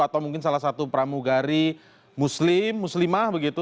atau mungkin salah satu pramugari muslim muslimah begitu